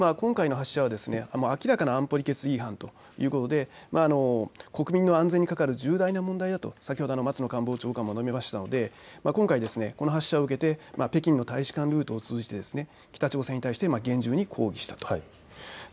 今回の発射は明らかな安保理決議違反ということで国民の安全に関わる重要な問題だと松野官房長官も述べましたので今回、この発射を受けて北京の大使館ルートを通じて北朝鮮に対して厳重に抗議したと。